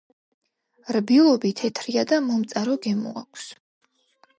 რბილობი თეთრია და მომწარო გემო აქვს.